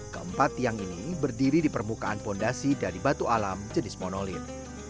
keempat tiang ini berdiri di permukaan fondasi dari batu alam jenis monolit